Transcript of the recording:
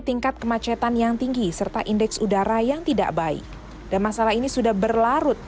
tingkat kemacetan yang tinggi serta indeks udara yang tidak baik dan masalah ini sudah berlarut